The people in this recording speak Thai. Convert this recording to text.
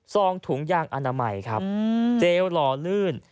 องถุงยางอนามัยครับเจลหล่อลื่น